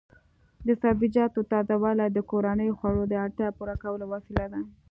د سبزیجاتو تازه والي د کورنیو خوړو د اړتیا پوره کولو وسیله ده.